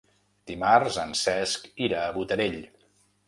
Dimarts en Cesc irà a Botarell.